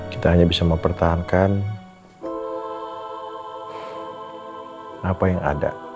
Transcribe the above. kita hanya bisa mempertahankan apa yang ada